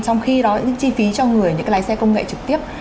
trong khi đó những chi phí cho người những cái lái xe công nghệ trực tiếp